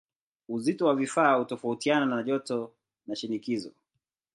Uzito wa vifaa hutofautiana na joto na shinikizo.